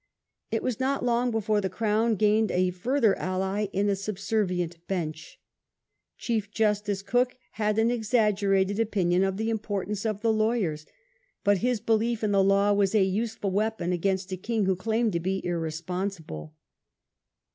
It was not long before the crown gained a further ally in a subservient Bench. Chief justice Coke had an exaggerated opinion of the importance of the lawyers, but his belief in the law was a useful weapon against a king who claimed to be irresponsible.